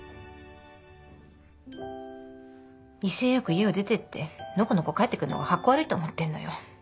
威勢よく家を出てってのこのこ帰ってくんのがカッコ悪いと思ってんのよ。